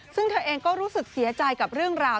ซึ่งเธอเองก็รู้สึกเสียใจกับเรื่องราว